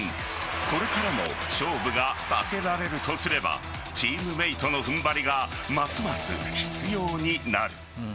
これからも勝負が避けられるとすればチームメートの踏ん張りがますます必要になる。